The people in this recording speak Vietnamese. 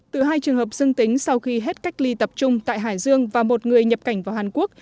từ hai trường hợp dương tính sau khi hết cách ly tập trung tại hải dương và một người nhập cảnh vào hàn quốc